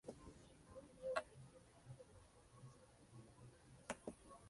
Constantino disfrutaba de la música, aprendiendo a tocar el piano y el violoncelo.